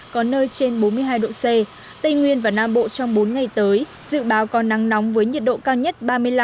có nơi trên bốn mươi hai độ c tây nguyên và nam bộ trong bốn ngày tới dự báo có nắng nóng với nhiệt độ cao nhất